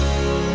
aku mau ke rumah